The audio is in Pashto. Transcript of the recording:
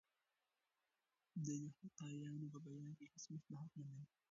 دی د حقایقو په بیان کې هیڅ مصلحت نه مني.